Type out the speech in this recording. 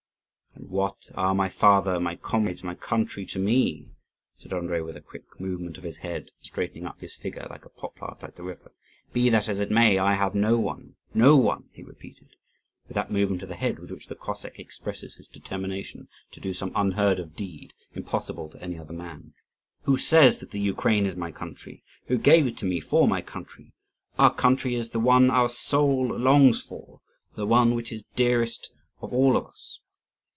"And what are my father, my comrades, my country to me?" said Andrii, with a quick movement of his head, and straightening up his figure like a poplar beside the river. "Be that as it may, I have no one, no one!" he repeated, with that movement of the hand with which the Cossack expresses his determination to do some unheard of deed, impossible to any other man. "Who says that the Ukraine is my country? Who gave it to me for my country? Our country is the one our soul longs for, the one which is dearest of all to us.